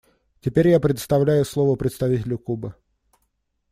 Теперь я предоставляю слово представителю Кубы.